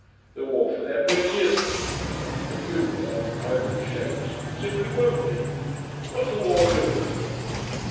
The war, for them, really isn't. The new world, however it shapes, simply won't be. What's the war doing to them?